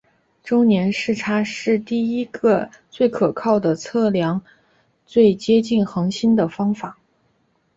周年视差是第一个最可靠的测量最接近恒星的方法。